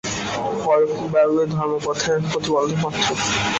অলৌকিক ব্যাপারগুলি ধর্মপথের প্রতিবন্ধক মাত্র।